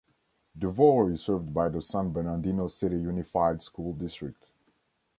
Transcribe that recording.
Devore is served by the San Bernardino City Unified School District.